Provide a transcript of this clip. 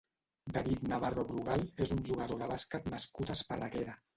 David Navarro Brugal és un jugador de bàsquet nascut a Esparreguera.